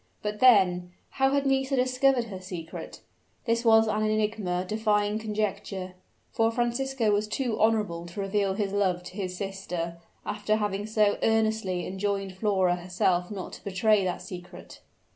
But then, how had Nisida discovered the secret? This was an enigma defying conjecture; for Francisco was too honorable to reveal his love to his sister, after having so earnestly enjoined Flora herself not to betray that secret.